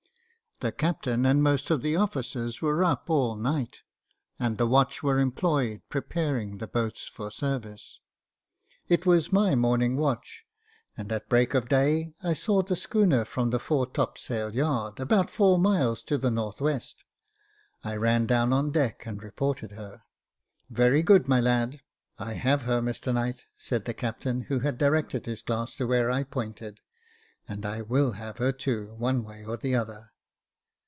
The captain and most of the officers were up all night, and the watch were employed preparing the boats for service. It was my morning watch, and at break of day I saw the schooner from the foretop sail yard, about four miles to the N.W. I ran down on deck, and reported her. "Very good, my lad. I have her, Mr Knight,'' said the captain, who had directed his glass to where I pointed ;" and I will have her too, one way or the other.